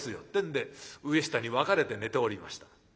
ってんで上下に分かれて寝ておりました。